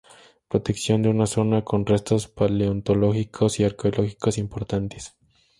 Protección de una zona con restos paleontológicos y arqueológicos importantes"".